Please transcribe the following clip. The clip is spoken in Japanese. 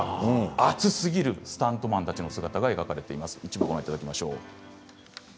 熱すぎるスタントマンの姿が描かれています。